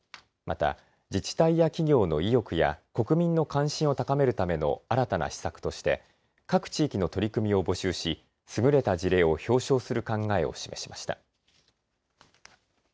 また、自治体や企業の意欲や国民の関心を高めるための新たな施策として各地域の取り組みを募集し優れた事例を表彰する考えを示しました。